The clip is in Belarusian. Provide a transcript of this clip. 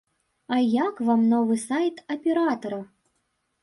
А як вам новы сайт аператара?